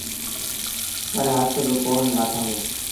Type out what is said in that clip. پر هٿ با ڪونا لآٿآݩدي۔